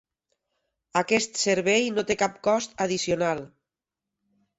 Aquest servei no té cap cost addicional.